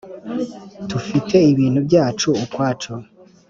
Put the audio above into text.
tufite ibintu byacu ukwacu